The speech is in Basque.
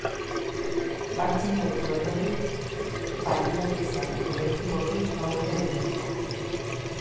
Batzen gaituen hori balia dezagun kolektiboki aurre egiteko.